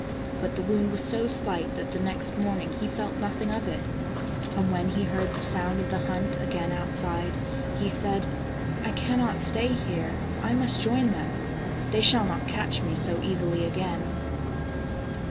But the wound was so slight that the next morning he felt nothing of it. And when he heard the sound of the hunt again outside, he said :" I cannot stay here, I must join them. They shall not catch me so easily again."